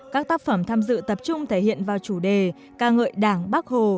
các tác phẩm tham dự tập trung thể hiện vào chủ đề ca ngợi đảng bắc hồ